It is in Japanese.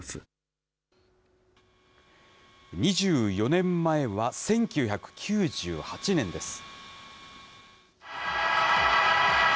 ２４年前は１９９８年です。